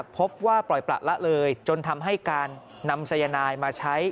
พบว่าปล่อยประละเลยจนทำให้การนำสายนายมาใช้